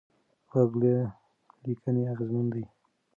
غږ له لیکه اغېزمن دی.